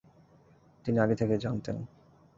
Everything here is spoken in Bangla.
তিনি আগে থেকেই জানতেন।